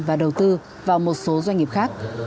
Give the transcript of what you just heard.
và đầu tư vào một số doanh nghiệp khác